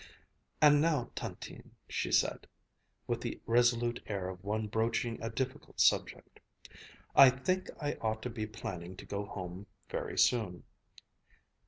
"And now, Tantine," she said, with the resolute air of one broaching a difficult subject, "I think I ought to be planning to go home very soon."